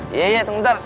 iya iya tunggu bentar